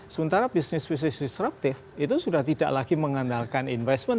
sementara business business disruptive itu sudah tidak lagi mengandalkan investment